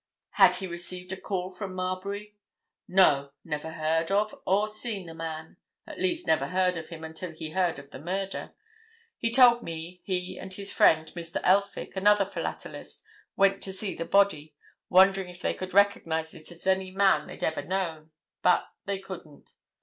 "Had he received a call from Marbury?" "No! Never heard of or seen the man. At least, never heard of him until he heard of the murder. He told me he and his friend, Mr. Elphick, another philatelist, went to see the body, wondering if they could recognize it as any man they'd ever known, but they couldn't."